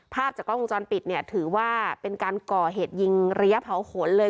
ภาพจากกล้องวงจรปิดเนี่ยถือว่าเป็นการก่อเหตุยิงระยะเผาขนเลย